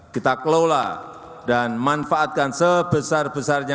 kita kelola dan manfaatkan sebesar besarnya